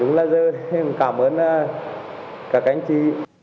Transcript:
chúng là giờ cảm ơn cả cánh chị